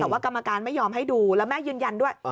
แต่ว่ากรรมการไม่ยอมให้ดูแล้วแม่ยืนยันด้วย